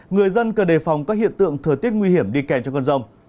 người dân cần đề phòng các hiện tượng thừa tiết nguy hiểm đi kèm cho con rông